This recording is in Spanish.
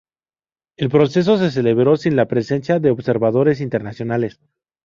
El proceso se celebró sin la presencia de observadores internacionales.